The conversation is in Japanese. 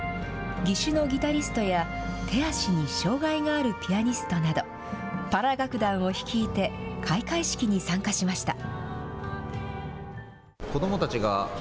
義手のギタリストや、手足に障害があるピアニストなど、パラ楽団を率いて、開会式に参加しました。